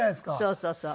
そうそうそう。